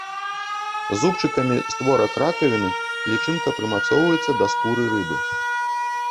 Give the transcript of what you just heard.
Зубчыкамі створак ракавіны лічынка прымацоўваецца да скуры рыбы.